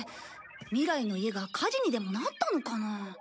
未来の家が火事にでもなったのかな？